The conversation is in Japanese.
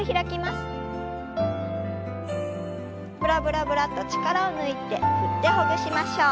ブラブラブラッと力を抜いて振ってほぐしましょう。